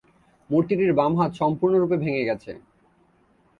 মূর্তিটির বাম হাত সম্পূর্ণ রূপে ভেঙে গেছে।